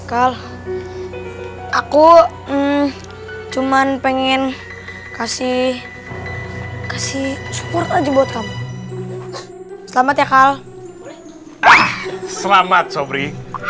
kal aku cuman pengen kasih kasih support aja buat kamu selamat ya kal ah selamat sobri